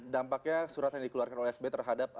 dampaknya surat yang dikeluarkan oleh sby terhadap